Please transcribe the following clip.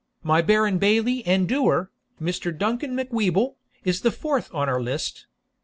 My baron bailie and doer, Mr. Duncan Macwheeble, is the fourth on our list.